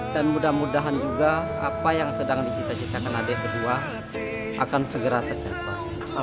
dan mudah mudahan juga apa yang sedang dicita citakan adik berdua akan segera terjaga